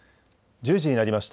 １０時になりました。